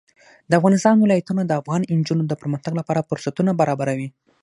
د افغانستان ولايتونه د افغان نجونو د پرمختګ لپاره فرصتونه برابروي.